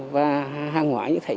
và hàng hóa như thế